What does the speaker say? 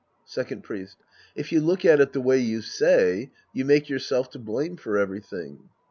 Second Priest. If you look at it the way you say, you make yourself to blame for everything.